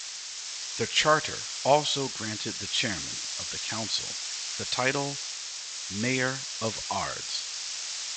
The charter also granted the chairman of the council the title "Mayor of Ards".